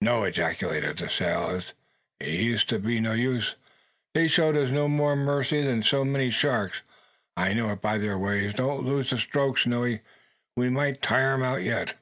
"No," ejaculated the sailor, "it 'ud be no use. They'd show us no more marcy than so many sharks. I know it by their ways. Don't lose a stroke, Snowy. We may tire 'em out yet."